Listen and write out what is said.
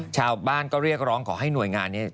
ชาวบ้านก็เรียกร้องขอให้หน่วยงานนี้